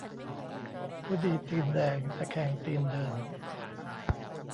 ผู้ดีตีนแดง ตะแคงตีนเดิน